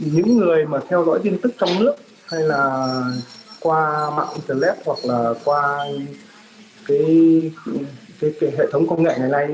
những người mà theo dõi tin tức trong nước hay là qua mạng internet hoặc là qua cái hệ thống công nghệ ngày nay